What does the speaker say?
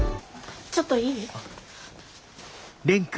ちょっといい？